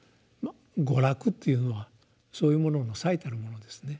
「娯楽」っていうのはそういうものの最たるものですね。